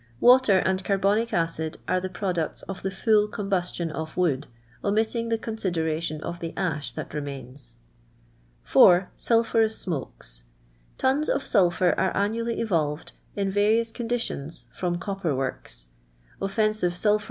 Watvr and carbonic acid are the products ot the full combustion of wo id, omitting the coo sidemtion of the a«h tnat remains. 4. Saljtharo!* M. hoW*. Ton 4 of sulphor are annually evolved in variius condi lions from copper w irks. Offensive suipburou!